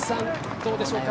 どうでしょうか？